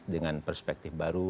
dengan perspektif baru